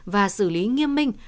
và xử lý nghiêm minh